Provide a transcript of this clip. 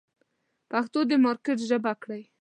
پښتو د مارکېټ ژبه کړئ.